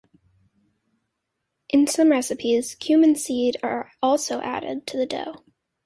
In some recipes, cumin seed are also added to the dough.